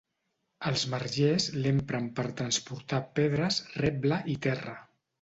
Els margers l'empren per transportar pedres, reble i terra.